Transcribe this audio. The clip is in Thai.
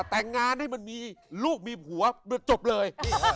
แต่งงานให้มันมีลูกมีผัวจบเลย